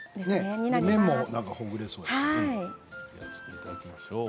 麺もほぐれそう。